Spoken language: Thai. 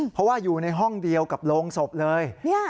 เพราะว่าอยู่ในห้องเดียวกับโรงศพเลย